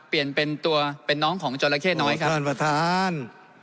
เปลี่ยนเป็นตัวเป็นน้องของจราเข้น้อยครับท่านประธาน